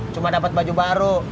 cuma dapet baju baru